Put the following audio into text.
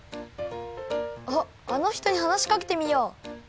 あっあのひとにはなしかけてみよう！